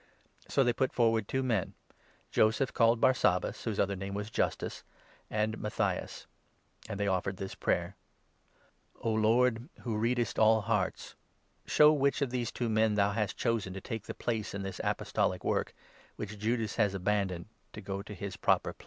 So they put forward two men, Joseph called Barsabas, whose 23 other name was Justus, and Matthias ; and they offered this 24 prayer — "O Lord, who readest all hearts, show which of these two men thou hast chosen to take the place in this apostolic work, which 25 Judas has abandoned, to go to his proper place."